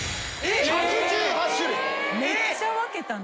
めっちゃ分けたな。